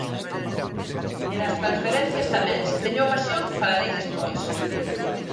E das transferencias tamén, se teño ocasión, falarei despois.